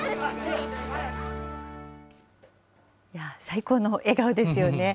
最高の笑顔ですよね。